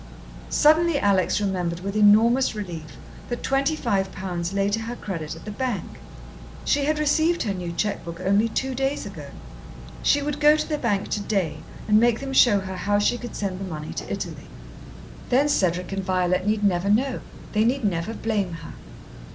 Suddenly Alex remembered with enormous relief that twenty five pounds lay to her credit at the bank. She had received her new cheque book only two days ago. She would go to the bank today and make them show her how she could send the money to Italy. Then Cedric and Violet need never know. They need never blame her.